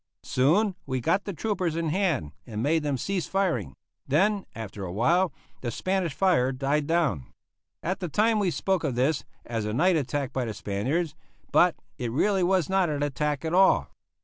Soon we got the troopers in hand, and made them cease firing; then, after awhile, the Spanish fire died down. At the time we spoke of this as a night attack by the Spaniards, but it really was not an attack at all.